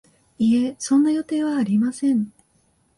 いえ、そんな予定はありません